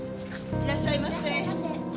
いらっしゃいませ。